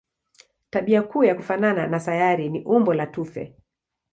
Tabia kuu ya kufanana na sayari ni umbo la tufe.